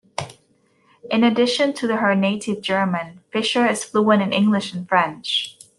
In addition to her native German, Fischer is fluent in English and French.